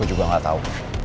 gue juga gak tau